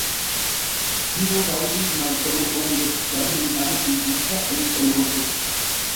Tio kaŭzis marpoluon je skalo neniam vidita en Eŭropo.